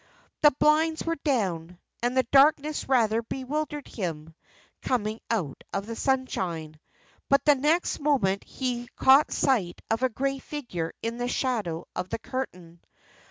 The blinds were down, and the darkness rather bewildered him, coming out of the sunshine. But the next moment he caught sight of a grey figure in the shadow of the curtain.